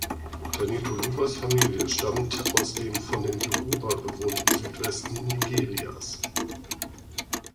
Tanitoluwas Familie stammt aus dem von den Yoruba bewohnten Südwesten Nigerias.